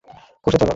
কষে চড় মারব।